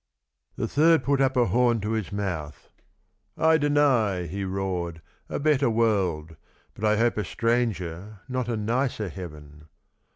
The third put up a horn to his mouth. " I deny," he roared, " a better w^orld, but I hope a stranger, not a nicer heaven.